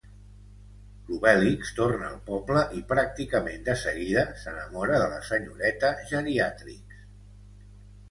L'Obèlix torna al poble i pràcticament de seguida s'enamora de la senyoreta Geriàtrix.